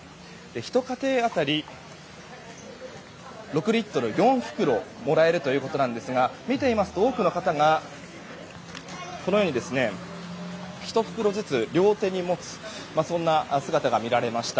ひと家庭当たり６リットル、４袋もらえるということですが見ていますと多くの方が１袋ずつ両手に持つ姿が見られました。